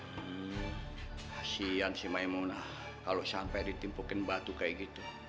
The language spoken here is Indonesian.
hmm kasihan si maimunah kalo sampe ditipukin batu kayak gitu